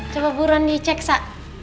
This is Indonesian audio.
coba buruan dicek sa